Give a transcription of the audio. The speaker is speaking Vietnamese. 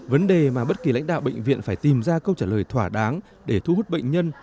vấn đề mà bất kỳ lãnh đạo bệnh viện phải tìm ra câu trả lời thỏa đáng để thu hút bệnh nhân